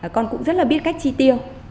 con cũng rất là biết cách tri tiêu